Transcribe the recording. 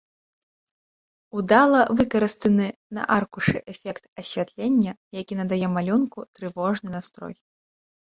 Удала выкарыстаны на аркушы эфект асвятлення, які надае малюнку трывожны настрой.